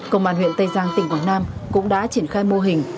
công an huyện tây giang tỉnh quảng nam cũng đã triển khai mô hình